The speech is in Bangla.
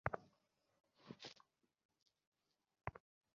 জানি না, স্যার।